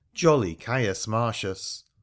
Jolly Caius Martius !